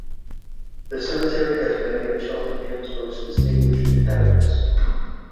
The cemetery has many of Cheltenham's most distinguished inhabitants.